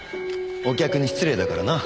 お客に失礼だからな。